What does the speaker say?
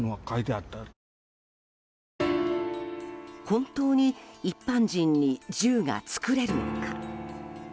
本当に一般人に銃が作れるのか。